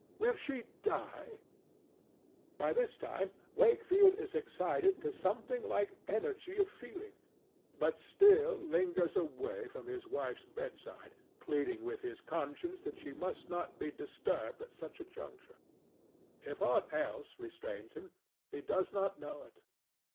will she die? By this time Wakefield is excited to something like energy of feeling, but still lingers away from his wife's bedside, pleading with his conscience that she must not be disturbed at such a juncture. If aught else restrains him, he does not know it.